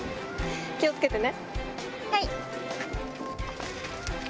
気を付けてね。